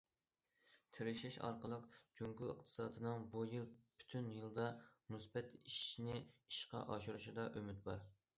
تىرىشىش ئارقىلىق، جۇڭگو ئىقتىسادىنىڭ بۇ يىل پۈتۈن يىلدا مۇسبەت ئېشىشىنى ئىشقا ئاشۇرۇشىدا ئۈمىد بار.